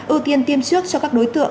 ưu tiên tiêm trước cho các đối tượng